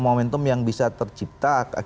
momentum yang bisa tercipta